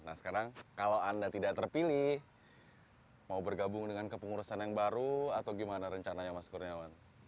nah sekarang kalau anda tidak terpilih mau bergabung dengan kepengurusan yang baru atau gimana rencananya mas kurniawan